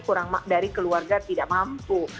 kurang dari keluarga tidak mampu